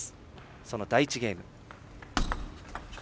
その第１ゲーム。